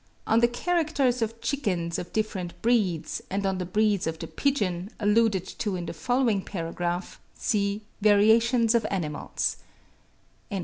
On the characters of chickens of different breeds, and on the breeds of the pigeon, alluded to in the following paragraph, see 'Variation of Animals,' etc.